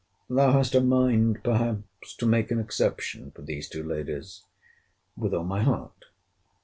Thou hast a mind, perhaps, to make an exception for these two ladies.—With all my heart.